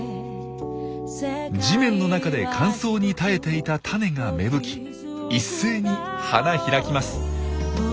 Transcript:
地面の中で乾燥に耐えていた種が芽吹き一斉に花開きます。